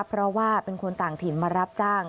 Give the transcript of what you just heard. เพราะว่าเป็นคนต่างถิ่นมารับจ้าง